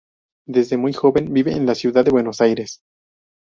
Desde muy joven vive en la ciudad de Buenos Aires.